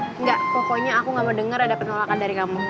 enggak pokoknya aku gak mau dengar ada penolakan dari kamu